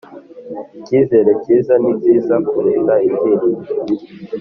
icyizere cyiza nicyiza kuruta ibyiringiro bibi